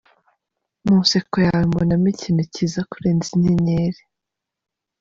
Mu nseko yawe mbonamo ikintu cyiza kurenza inyenyeri.